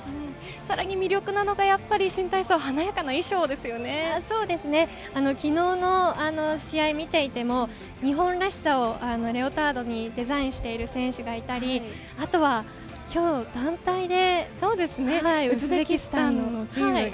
さらに魅力なのが新体操、昨日の試合を見ていても日本らしさをレオタードにデザインしている選手がいたり、あとは今日、団体でウズベキスタンのチームが